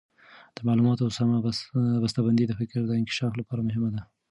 د معلوماتو سمه بسته بندي د فکر د انکشاف لپاره مهمه ده.